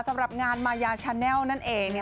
สำหรับงานมายาแชนเนล